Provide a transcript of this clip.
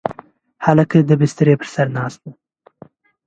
هلک د بسترې پر سر ناست و.